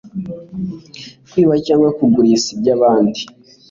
kwiba cyangwa kurigisa iby'abandi